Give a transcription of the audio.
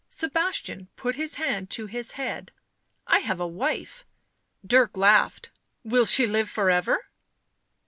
Sebastian put his hand to his head. " I have a wife." Dirk laughed. " Will she live for ever?"